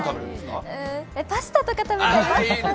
パスタとか食べたいですね。